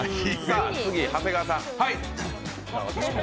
次、長谷川さん。